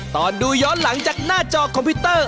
ตอนดูย้อนหลังจากหน้าจอคอมพิวเตอร์